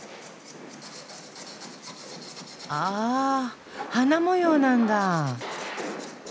あぁ花模様なんだ。